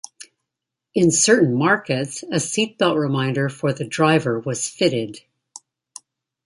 In certain markets a seat belt reminder for the driver was fitted.